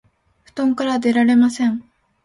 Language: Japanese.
布団から出られません